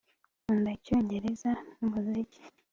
Nkunda Icyongereza numuziki